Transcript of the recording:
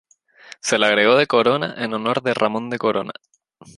Se le agregó ""de Corona"" en honor de Ramón Corona.